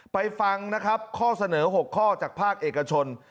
ฟังนะครับข้อเสนอ๖ข้อจากภาคเอกชน